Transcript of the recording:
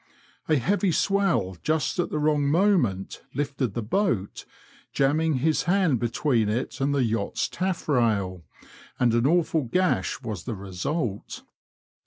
A heavy swell just at the wrong moment lifted the boat, jamming his hand between it and the yacht's taffrail, and an awful gash was the result.